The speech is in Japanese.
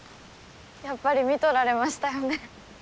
やっぱり見とられましたよね。